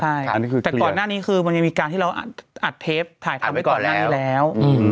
ใช่แต่ก่อนหน้านี้คือมันยังมีการที่เราอัดเทปถ่ายทำไว้ก่อนหน้านี้แล้ว